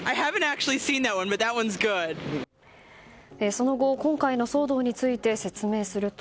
その後、今回の騒動について説明すると。